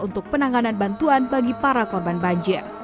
untuk penanganan bantuan bagi para korban banjir